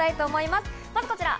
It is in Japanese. まずはこちら。